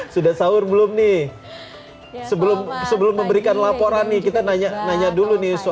sudah sahur belum nih sebelum memberikan laporan nih kita nanya dulu nih soal